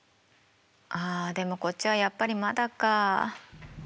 あでもこっちはやっぱりまだか。